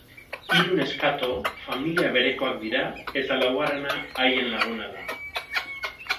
Hiru neskato familia berekoak dira eta laugarrena haien laguna da.